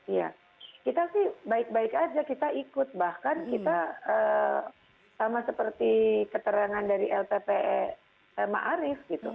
iya kita sih baik baik aja kita ikut bahkan kita sama seperti keterangan dari lpri